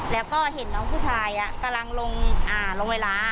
แล้วก็เห็นน้องผู้ชายอ่ะกำลังลงอ่าลงเวลาอ่ะ